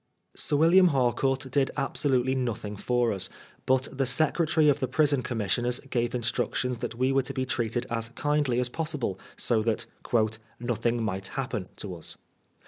Sir William Harcourt did absolutely nothing for us, bnt the Secretary of the Prison Commissioners gave instructions that we were to be treated as kindly as possible, so that ^' nothing might happen " to us.